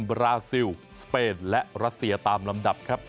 บราซิลสเปนและรัสเซียตามลำดับครับ